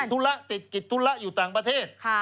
บอกว่าติดกิจทุละอยู่ต่างประเทศ